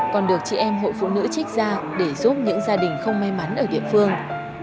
còn được chị em hội phụ nữ trích ra để giúp những gia đình không may mắn ở địa phương